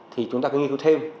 thì chúng ta có nghiên cứu thêm